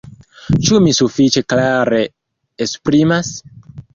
Ĉu mi sufiĉe klare esprimas?